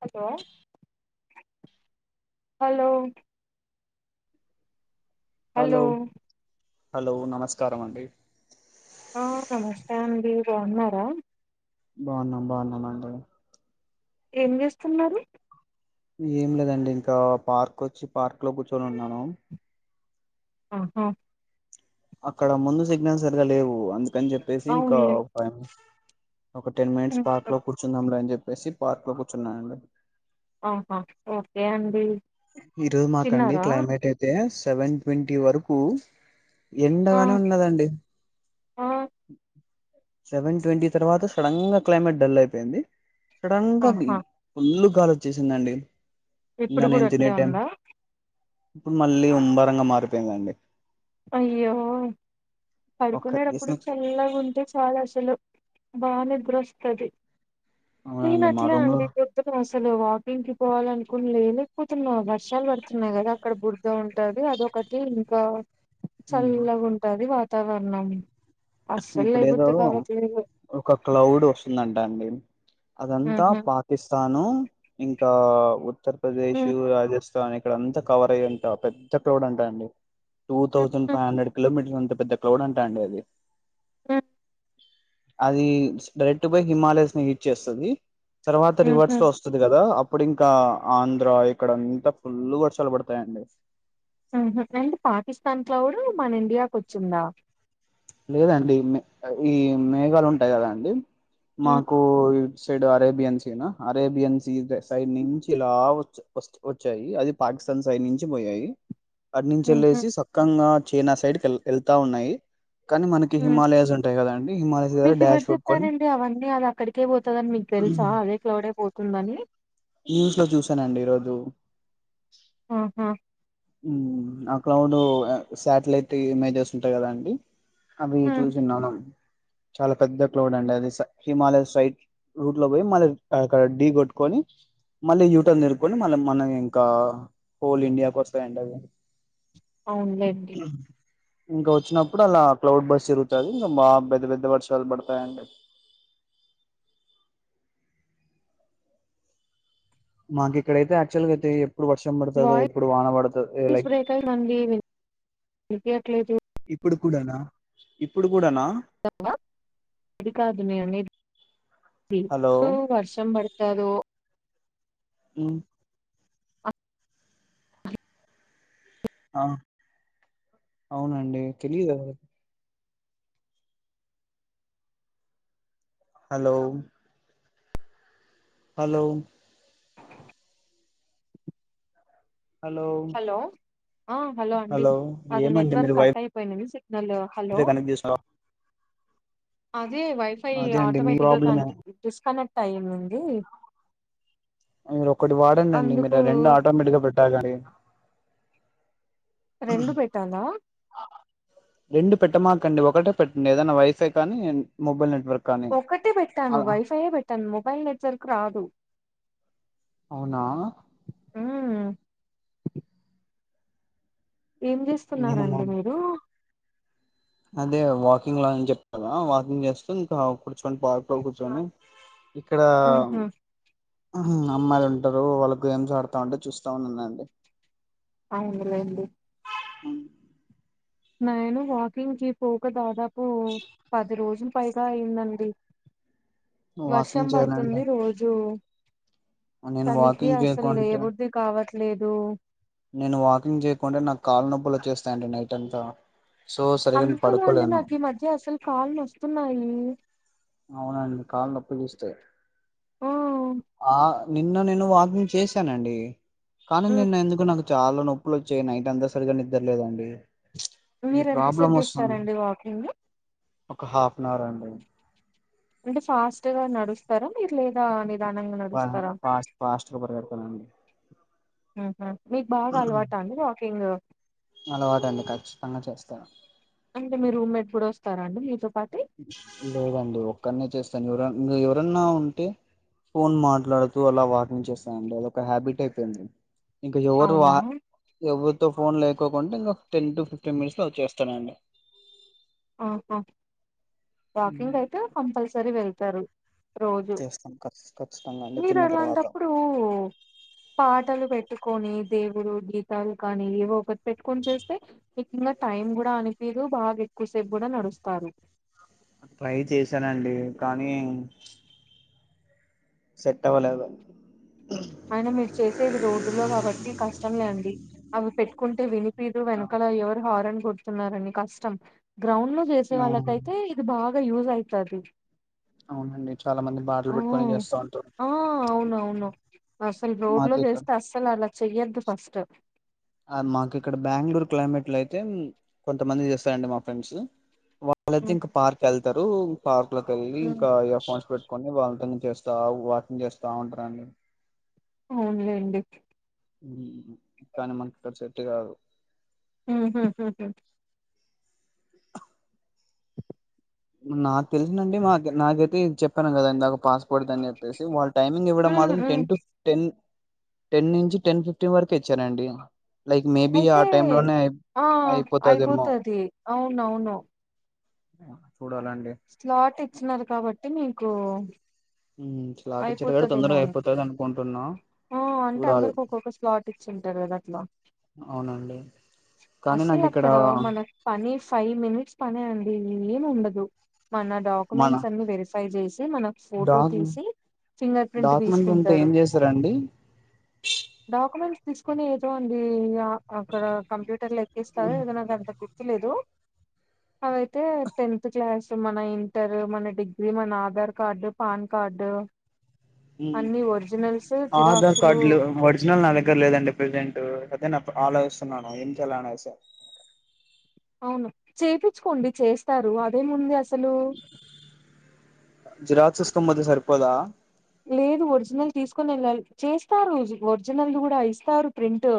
Hello hello hello hello నమస్కారం అండి ఆ నమస్తే అండి బావున్నారా బావున్నాం బాగున్నాం అండి ఏం చేస్తున్నారు ఏం లేదండి ఇంకా పర్కొచ్చి పార్క్ లో కూర్చొని ఉన్నాను ఆహ అక్కడ ముందు సిగ్నల్ సరిగా లేవు అందుకని చెప్పేసి ఇకా అవునులే ఫైవ్ ఒక టెన్ మినిట్స్ పార్క్ ఉహు, లో కూర్చుందంలె అని చెప్పేసి పార్క్ లో కూర్చున్నానండి ఆహ ఓకే అండి ఈరోజు మాకండి తిన్నారా క్లైమేట్ అయితే సెవెన్ ట్వంటీ వరకు ఆ ఎండగానే ఉన్నదండి ఆ సెవెన్ ట్వంటీ తర్వాత సడన్ గా క్లైమేట్ డల్ అయిపోయింది సడన్ గా ఆహా ఫుల్లు గాలి ఓచ్చేసిందండి ఇప్పుడు కూడా అట్లే ఉందా ఇప్పుడు మళ్ళీ ఉంబరంగా మారిపోయిందండి అయ్యో ఒక పడుకునేటప్పుడు అసలు చల్లగుంటే చాలు అసలు బా నిద్రొస్తది నేన అవునండి మా అట్లే రూమ్ లో అండి పొద్దున్న ఆస్ అసలు వాకింగ్ కి పోవాలనుకుని లే లేకపోతున్నా వర్షాలు పడుతున్నాయి కదా అక్కడ బుర్ద ఉంటది అదొ కటి ఇంకా ఉమ్, చల్లగా ఉంటాది వాతావరణం అస్సలు ఇప్పుడేదో లేబుద్ది కావట్లేదు ఒక క్లౌడ్ వస్తుందంట అండి అదంతా ఉహు పాకిస్తాను ఇంకా ఉ ఉత్తరప్రదేశ్ రాజస్ స్థాన్ ఇక్కడంత కవర్ అయ్యెంత పెద్ద క్లౌడ్ అంటా అండి టూ ఉ థౌజండ్ ఉ ఫైవ్ హండ్రెడ్ కిలోమీటర్స్ అంతే పెద్ద క్లౌడ్ అంట అండి అది మ్ అదీ స్ప్రెడ్ పై హిమాలయస్ ని హీట్ చేస్తది తర్వాత ఉహు రివర్డ్స్ లో వస్తది కదా అప్ ఇంకా ఆంధ్ర ఇక్కడ అంతా ఫుల్ వర్షాలు పడతాయండి మ్ హు అండ్ పాకిస్తాన్ క్లౌడ్ మన ఇండియాకు వచ్చిందా లేదండి ఈ మేఘాలు ఉంటయి కదా అండి మాకు సైడ్ అరేబియన్స్ ఎనా అరేబియన్స్ సైడ్ నుంచి ఇలా వచ వస్ వచ్చాయి అది పా తన్ సైడ్ నుంచి పోయాయి అట్నించి ఉహు ఎళ్ళేసి సక్కంగా చైనా సైడ్ కి ఎళ్తా ఉన్నాయి కానీ మనకి ఉ హిమాలయస్ ఉంటాయి కదాండి హిమాలయస్ దగ్గర మీకు ఎవరు డాష్ కొట్కొని చెప్పారండి చ అదే క్లౌడై పోతుందని న్యూస్ లో చూసానండి ఈరోజు ఆ హా ఆ క్లౌడ్ శాటిలైట్ ఇమేజెస్ ఉంటాయి కదా అండి అవి ఉ చూసున్నాను చాలా పెద్ద క్లోడ్ అండి అది స హిమాలయ్ సైడ్ రూట్ లో పోయి మళ్ళ అక్కడ డీ కొట్టుకోని మళ్ళీ యూటర్న్ తిరుక్కోని మళ్ళ మన ఇంకా హోల్ ఇండియాకొస్తాయండి అవి అవునులేండి ఇంకా వచ్చినప్పుడు అలా క్లౌడ్ బస్ జరుగుతది ఇంకా బా పెద్ద పెద్ద వర్షాలు పడతాయండి హుహు మాకు ఇక్కడైతే యాక్టువల్ గాఅయితే వర్షం పడుతదో వాయిస్ ఎప్పుడు వాన పడుతదొ లైక్ బ్రేక్ అయిందండి వినిపియట్లేదు ఇప్పుడు కూడానా ఇప్పుడు కూడానా హలో అది కాదు నేన్ అనేది హలో సో వర్షం పడతదో మ్ ఆ అవునండి తెలియదెవరికి హాలో హాలో హాలో హలో ఆ హలో అండి అది ఏమండి మీరు నెట్వర్క్ కట్ వైఫై అయిపోయింది మీ సిగ్నలో హలో కనెక్ట్ చేసినారా అది వైఫై అదే అండి మీ ఆటోమేటిక్ గ కన ప్రాబ్లమే డిస్కనెక్ట్ అయిందండి మీరు ఒక్కటి వాడండండి మీరు రెండు ఆటోమేటిక్ గా పెట్ట గానీ రెండు పెట్టాలా రెండు పెట్టమాకండి ఒకటే పెట్టండి ఏదైనా వైఫై కానీ మొబైల్ నెట్వర్క్ కానీ ఒక్కటే పెట్టాను అలా వైఫైయే పెట్టాను మొబైల్ నెట్వర్క్ రాదు అవునా మ్మ్ ఏం నేను మొ చేస్తున్నారండి మీరు అదే వాకింగ్ లా అని చెప్పా కథ వాకింగ్ చేస్తూ ఇంకా కూర్చోని పార్క్లో కూర్చుని ఇక్కడా ఊహూ అమ్మాయిలు ఉంటారు వాళ్ళు గేమ్స్ ఆడతా ఉంటే చూస్తా ఉన్నానండి అవునాండి నేను వాకింగ్ కి పోక దాదాపు పది రోజులు పైగా అయిందండి వర్షం వాకింగ్ చేయాలండి పడుతుంది రోజు నేను చలికి వాకింగ్ అసలు చేయకుంటే లేబుద్ది కావట్లేదు నేను వాకింగ్ చేయకుంటే నాకు కాళ్ళ నొప్పులు వచ్చేస్తాయండి నైట్ అంతా సో సరిగా అందుకేమో అండి పడుకోలేను నాకు ఈ మధ్య అసలు కాళ్లు నొస్తున్నాయి అవునండి కాళ్ళ నొప్పులు ఒస్తాయ్ ఆ ఆ నిన్న నేను వాకింగ్ చేశానండి కానీ మ్మ్ నిన్న ఎందుకో నాకు చాలా నో ప్పులు వచ్చాయి నైట్ అంతా సరిగా నిద్రలేదండి మీరు ఎంత సేపు చేస్తారండి వాకింగు ఒక హాఫ్ అన్ అవర్ అండి అంటే ఫాస్ట్ గా నడుస్తారా మీరు లేదా నిదానంగా నడుస్తారా? ఫాస్ట్ ఫాస్ట్గా పరిగెడతానండి ఆహా మీకు బాగా అలవాటా అండి వాకింగ్ అలవాటండి ఖచ్చితంగా చేస్తా మీ రూమ్మెట్ కూడా వస్తారా అండి మీతో పాటు లేదండి ఒక్కడినే చేస్తాను ఎవరన్నా ఎవరన్నా ఉంటే ఫోన్ మాట్లాడుతూ అలా వాకింగ్ చేస్తానండి అదొక్క హ్యాబిట్ అయిపోయింది ఇంకా ఎవరు వా అవునా? ఎవరితో ఫోన్ లేకోకుంటే ఇంకొక టెన్ టు ఫిఫ్టీన్ మినిట్స్ లో వచ్చేస్తానండి ఓ వాకింగ్ మ్మ్. అయితే కంపల్సరీ వెళ్తారు రోజు చేస్తాను ఖ ఖచ్చితంగా అండి మీరు తిన్న తర్వాత అలాంటప్పుడు పాటలు పెట్టు కొని దేవుడు గీతాలు కానీ ఏవో ఒకటి పెట్టుకొని చేస్తే మీక ఇంకా టైం కూడా అనిపీదు బాగా ఎక్కువసేపు కూడ నడుస్తారు ట్రై చేశానండి కానీ సెట్టవలేదు అయిన మీరు చేసేది రోడ్డులో కాబట్టి కష్టం లేండి అవి పెట్టుకుంటే విని పీదు వెనకాల ఎవరు హారన్ కొడుతున్నారని కష్టం గ్రౌండ్ లో చేసే అవును వాళ్ళకైతే ఇది బాగా యూస్ అయితాది అవునండి చాలా మంది పాటలు పెట్టుకోనే ఉమ్, చేస్తా ఉంటారు ఆ అవునవును అసలు రోడ్ లో మాకు ఇక్కడ చేస్తే అసలు అలా చెయొద్దు ఫస్ట్ మాకు ఇక్కడ బెంగళూరు క్లైమేట్ లో అయితే కొంతమంది చేస్తారండి మా ఫ్రెండ్స్ వాళ్ళైతే ఉమ్, ఇంక పార్క్ వెళ్తారు పార్క్ లోకి వెళ్లి ఉమ్, ఇంకా ఇయర్ ఫోన్స్ పెట్టుకొని వాళ్ళ చేస్తా వాకింగ్ చేస్తా ఉంటారండి అవునులేండి కానీ మనకి ఇక్కడ సేట్టు కాదు మ్మ్ హ్మ్ హ్మ్ హ్మ్ నాకు తెలిసినండి మా నాకైతే చెప్పాను కదా ఇందాక పాస్ కుడదుని చెప్పేసి వాళ్ళ టైమింగ్ ఇవ్వడం ఉమ్, మాత్రం ఉమ్. టెన్ టు టెన్ టెన్ నుంచి టెన్ ఫిఫ్టీన్ వరక ఇచ్చానండి లైక్ మేబి ఆ అయితే టైం లోనే అయి ఆ అయిపోతుదేమో అయిపోతది అవునవును బ స్లాట్ ఇచ్చినారు కాబట్టి మీకు ఉమ్ స్లాట్ ఇచ్చారు కాబట్టి అయిపోతదేమో తొందరగా అని అయిపోతది అనుకుంటు ఆ అంటే అందరికి ఒక్కొక్క స్లాట్ ఇచ్చింటారు కదా అట్లా అవునండి కానీ అసలు నాకు ఇక్కడ అక్కడ మనకు పని ఫైవ్ మినిట్స్ పనే అండి ఏమి ఉండదు మన మన డాక్యుమెంట్స్ అన్ని వెరిఫై చేసి మనకు ఫోటో డాక్ తీసి ఫింగర్ ప్రింట్ తీసుకుంటారు రండి డీటెయిల్స్ తీసుకుని ఏదో అండి అ అక్కడ కంప్యూటర్ లో ఎక్కిస్తారు ఏదైనా గంటకి నచ్చలేదు అవైతే టెన్త్ క్లాస్ మన ఇంటర్ మన డిగ్రీ మన ఆధార్ కార్డు పాన్ కార్డు ఉమ్ అన్ని ఒరిజినల్స్ ఆధార్ జిరాక్సులు కార్డులు ఒరిజినల్ నా దగ్గర లేదండి ప్రెజెంట్ అ ఆలోచించన్నా ఏం చేయలా అనేసి అవును చేపించుకోండి చేస్తారు అదేము ఉంది అసలు జిరాక్స్ తీసుకొని పోతే సరిపోదా లేదు ఒరిజినల్ తీసుకొని వెళ్ళాలి చేస్తారు ఒరిజినల్ కూడా ఇస్తారు ప్రింట్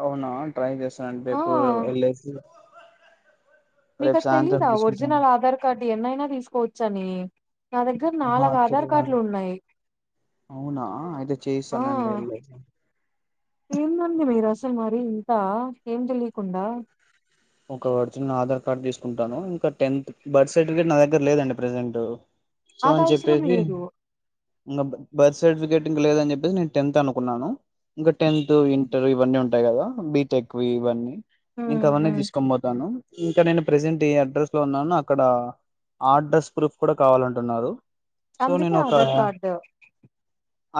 అవునా ట్రై చేస్తానండి ఆ రేపు వెళ్ళేసి మీకు రేపు అది సాయంత్రం తెలీదా తీసుకుంటాను ఒరిజినల్ ఆధార్ కార్డు ఎన్నైనా తీసుకోవచ్చు అని నా దగ్గర ఆహా నాలుగు ఆధార్ తెలీదా కార్డులు ఉన్నాయి అవునా అయితే ఆ చేయిస్తానండి వెళ్ళేసి ఏందండి మీరు అసలు మరి ఇంత ఏం తెలియకుండా ఒక ఒరిజినల్ ఆధార్ కార్డ్ తీసుకుంటాను ఇంకా టెన్త్ బర్త్ సర్టిఫికేట్ నా దగ్గర లేదండి ప్రజెంట్ సో అది అని అవసరం చెప్పేసి లేదు ఇంకా బర్త్ సర్టిఫికేట్ ఇంకా లేదని చెప్పసి నేను టెన్త్ అనుకున్నాను ఇంకా టెన్త్ ఇంటర్ ఇవన్నీ ఉంటాయి కదా బీటెక్ ఇవన్నీ ఇంక ఉమ్, అవన్నీ ఉమ్. తీసు పోతాను ఇంకా నేను ప్రసెంట్ ఎ అడ్రస్ లో ఉన్నాను అక్కడ ఆ అడ్రస్ ప్రూఫ్ కూడా కావాలంటున్నారు సో అందుకే నేను ఒక ఆధార్ కార్డు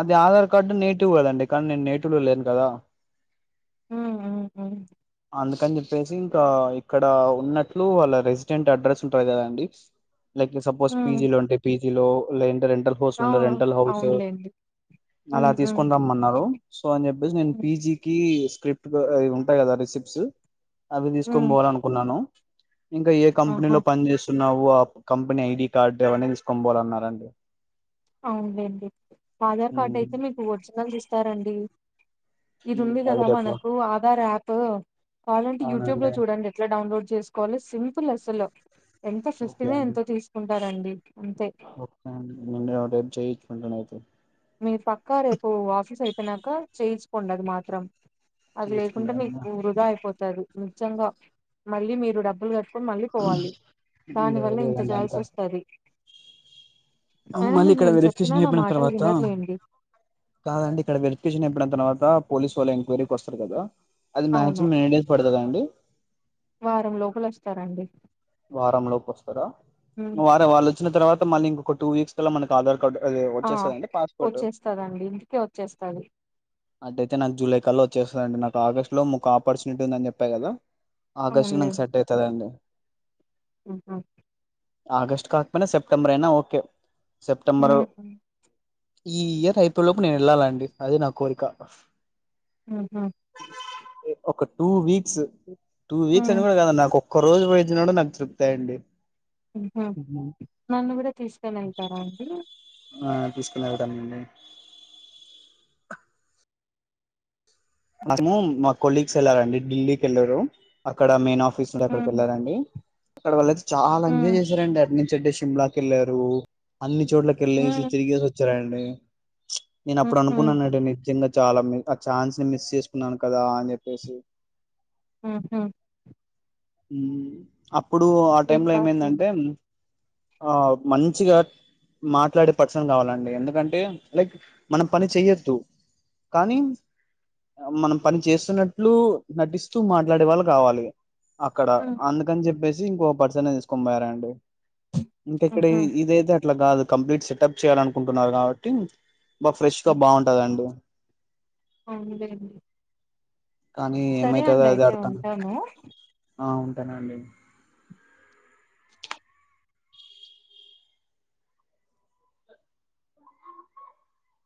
అది ఆధార్ కార్డు నేటివ్ కదండి కానీ నేను నేటివ్ లో లేను కదా ఉమ్ ఉమ్ ఉమ్ అందుకని చెప్పేసి ఇంకా ఇక్కడ ఉన్నట్లు వాళ్ళ రెసిడెంట్ అడ్రస్ ఉంటది కదా అండి లైక్ సపోస్ ఉమ్. పీజీ లో ఉంటే పీజీ లో లేంట రెంటల్ హౌస్ లో ఆ ఉంటే రెంటల్ హౌస్ అవునులేండి అలా ఉమ్, ఉమ్, తీసుకోని రమ్మన్నారు సో అని చెప్పేసి నేను ఉమ్, పిజి కి స్క్రిప్ట్ అవి ఉంటాయి కదా రిసిప్ట్స్ అవి తీసుకొని ఉమ్. పోవాలి అనుకున్నాను ఇంకా ఏ ఆహా కంపెనీలో పని చేస్తున్నావొ ఆ కంపెనీ ఐడి కార్డు ఎవరిని తీసుకొనిపోవాలి అన్నారండి అవునులేండి ఆధార్ కార్డ్ ఉమ్, అయితే మీకు ఒరిజినల్స్ ఇస్తారండి ఇది ఉమ్, ఉంది అది కదా రేపు మనకు ఆధార్ యాపు కావాలంటే యూట్యూబ్ లో అవునండి చూడండి ఎట్లా డౌన్లోడ్ చేసుకోవాలి సింపుల్ అస్సలు ఎంత ఓకే ఫీప్టనో అండి ఎంతో తీసుకుంటారండి అంతే ఓకే అండి నేను రేపు చేయించుకుంటాను అయితే మీరు పక్కా రేపు ఆఫీస్ అయిపోయినాక చేయించుకోండి అది మాత్రం అది చేయించుకుంటా లేకుంటే మీకు వృధా అయిపోతది నిజంగా మళ్ళీ మీరు డబ్బులు కట్ మళ్ళీ పోవాలి దాని వల్ల ఇంత లేదండి చేయాల్సి అంతా వస్తది అయినా మళ్ళీ మీరు ఇక్కడ నేను చెప్పినా వెరిఫికేషన్ నా అయిపోయిన మాటలు తర్వాత వినర్లేండి కాదండి ఇక్కడ వెరిఫికేషన్ అయిపోయిన తర్వాత పోలీసు వాళ్ళు ఎంక్వైరీకి వస్తారు కదా అది అవును మ్యాచ్మామ్ ఎన్ని డేస్ పడుతది అండి వారం లోపల వస్తారండి వారం లోపు వస్తారా ఉమ్ వ వాళ్ళు వచ్చిన తర్వాత మళ్ళీ ఇంకొక టూ వీక్స్ కల్లా మనకి ఆధార్ కార్డ్ అదే ఆ వచ్చేస్తదండి పాస్పోర్ట్ వచ్చేస్తదండి ఇంటికే వచ్చేస్తది అట్ట అయితే నాకు జూలై కల్ల వచ్చేస్తదండి నాకు ఆగస్టులో మా ఆపర్చునిటీ ఉందని చెప్పా కదా ఆకాష్ కి నాకు సెట్ అయితది అండి ఆహ ఆగస్ట్ కాకపోయినా సెప్టెంబర్ ఐనా ఓకే సెప్టెంబరు ఉమ్ ఈ ఇయర్ అయిపోయే లోపు నేను వెళ్ళాలండి అదే నా కోరిక ఆహా ఒక టూ వీక్స్ టూ వీక్స్ హ్మ్ అని కూడా కాదండి నాకు ఒక్క రోజు పోయిచ్చిన కూడా నాకు తృప్తే నండి ఆహా నన్ను కూడా తీసుకోని వెళ్తారా అండి తీసుకొని వెళ్తారా అండి మ్యాగ్సిమం మా కొలీగ్స్ వెళ్ళారు అండి ఢిల్లీకి వెళ్ళారు అక్కడ మెయిన్ ఆఫ్ తీస్తుంటే అక్కడికి హ్మ్ వెళ్ళారు అండి అక్కడ వాళ్లు అయితే చాలా ఎంజాయ్ హ్మ్ చేశారండి అటు చెడ్ సిమ్లాకి వెళ్ళారు అన్ని చోట్లకి వెళ్ళసి హ్మ్ తిరిగేసి వచ్చారండి నేను అప్పుడు ఉహు అనుకున్నానండి నిజ్యంగా చాలా మే ఆ ఛాన్స్ నేను మిస్ చేసుకున్నాను కదా అని చెప్పేసి ఉహు ఊ అప్పుడు ఆ టైం ఏం లో ఏమైందంటే కాదులేండి ఆ మంచిగా మాట్లాడే పర్సన్ కావాలండి ఎందుకంటే లైక్ మనం పని చెయ్యొద్దు కానీ మనం పని చేస్తున్నట్లు నటిస్తూ మాట్లాడే వాళ్ళు కావాలి అక్కడ అందుకని చెప్పేసి ఇంకో పర్సనే తీసుకొని పోయారండి ఇంకా ఇక్కడ ఉహు ఇది ఆయితే అట్లా కాదు కంప్లీట్ సెటప్ చేయ్యాల అనుకుంటున్నారు కాబట్టి బా ఫ్రెష్ గా బాగుంటాదండి అవున్లే అండి కానీ ఏమైతదో అది అయితే అర్థం ఉంటాను ఆ ఉంటానండి